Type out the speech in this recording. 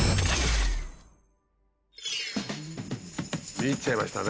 見入っちゃいましたね。